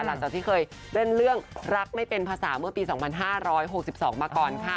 หลังจากที่เคยเล่นเรื่องรักไม่เป็นภาษาเมื่อปี๒๕๖๒มาก่อนค่ะ